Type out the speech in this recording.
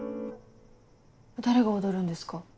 誰が踊るんですか？